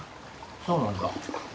そうなんだ。